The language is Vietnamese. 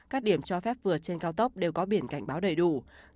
các điểm cho phép vượt trên cao tốc đều có biển cảnh báo đầy đủ